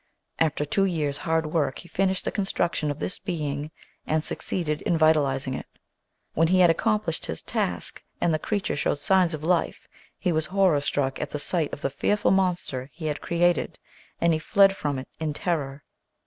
After two years' hard work he finished the con struction of this being and succeeded in vitalizing it. When he had accomplished his task and the creature showed signs of life he was horror struck at the sight of the fearful monster he had created and he fled from it in terror.